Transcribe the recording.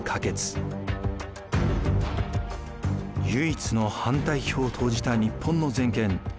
唯一の反対票を投じた日本の全権